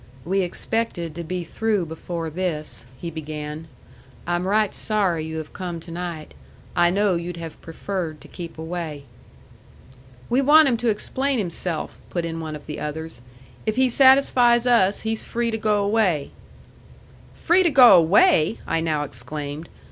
"We expected to be through before this," he began. "I'm right sorry you have come to night. I know you'd have preferred to keep away." "We want him to explain himself," put in one of the others. "If he satisfies us, he's free to go away." "Free to go away!" I now exclaimed.